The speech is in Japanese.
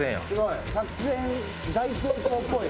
作戦大成功っぽい。